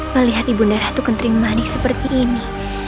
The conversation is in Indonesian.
melihat ibu darah tukun terimani seperti ini